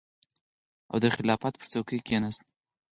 او د خلافت پر څوکۍ کېناست.